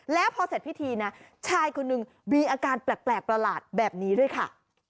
แล้วพอเสร็จพิธีนะชายคนหนึ่งมีอาการแปลกประหลาดแบบนี้ด้วยค่ะ